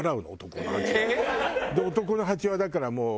で男のハチはだからもう。